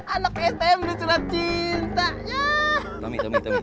anak pspm nulis surat cinta